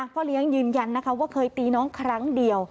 พ่อเลี้ยงยืนยันนะคะว่าเคยตีน้องครั้งเดียว